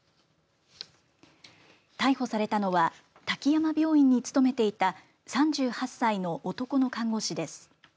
逮捕されたのは滝山病院に勤めていた３８歳の男の看護師です。